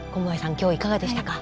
今日いかがでしたか？